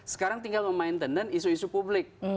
sekarang tinggal memainten dan isu isu publik